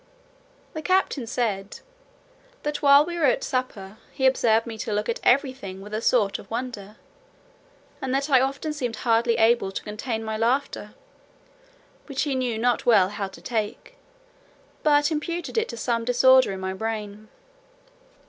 The captain said, "that while we were at supper, he observed me to look at every thing with a sort of wonder, and that I often seemed hardly able to contain my laughter, which he knew not well how to take, but imputed it to some disorder in my brain."